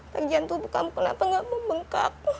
tagihan tubuh kamu kenapa nggak membengkak